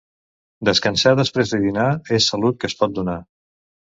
Descansar després de dinar és salut que es pot donar.